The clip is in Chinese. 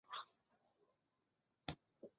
大桑村是位于长野县西南部的一村。